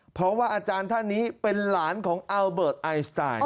เพราะว่าอาจารย์ท่านนี้เป็นหลานของอัลเบิร์ตไอสไตล์